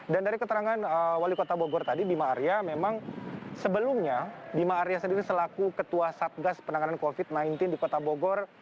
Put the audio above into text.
dari keterangan wali kota bogor tadi bima arya memang sebelumnya bima arya sendiri selaku ketua satgas penanganan covid sembilan belas di kota bogor